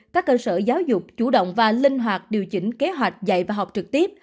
các cơ sở giáo dục chủ động và linh hoạt điều chỉnh kế hoạch dạy và học trực tiếp